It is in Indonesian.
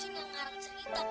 husein yang sendiri